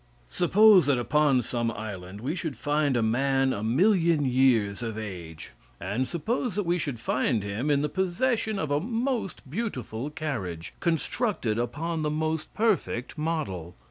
Suppose that upon some island we should find a man a million years of age, and suppose that we should find him in the possession of a most beautiful carriage, constructed upon the most perfect model.